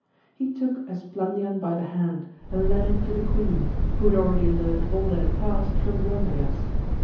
He took Esplandian by the hand, and led him to the queen, who had already learnt all that had past from Bran doyuas.